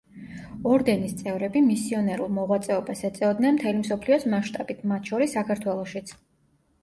ორდენის წევრები მისიონერულ მოღვაწეობას ეწეოდნენ მთელი მსოფლიოს მასშტაბით, მათ შორის საქართველოშიც.